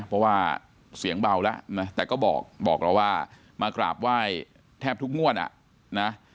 เพราะว่าเสียงเบาแล้วนะแต่ก็บอกเราว่ามากราบไหว้แทบทุกงวดอ่ะนะ